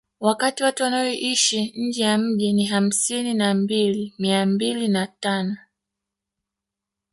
Wakati watu wanaoishi nje ya mji ni hamsini na mbili mia mbili na tano